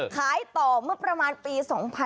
ขายต่อเมื่อประมาณปี๒๕๕๙